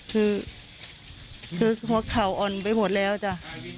คือเขาอ่อนไปหมดแล้วจ้ะ